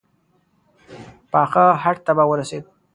پاخه هډ ته به ورسېد.